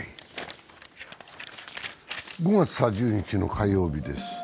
５月３０日の火曜日です。